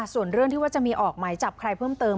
ส่วนเรื่องที่ว่าจะมีออกหมายจับใครเพิ่มเติม